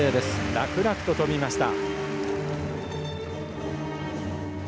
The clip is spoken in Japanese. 楽々と跳びました。